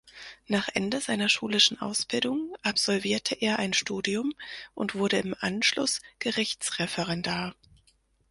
Nach Ende seiner schulischen Ausbildung absolvierte er ein Studium und wurde im Anschluss Gerichtsreferendar.